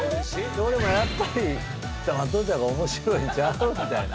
俺もやっぱり黙っといた方が面白いんちゃう？みたいな。